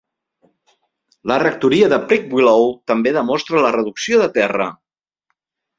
La rectoria de Prickwillow també demostra la reducció de terra.